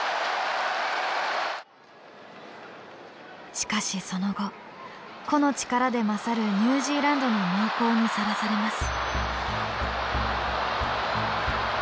しかしその後個の力で勝るニュージーランドの猛攻にさらされます。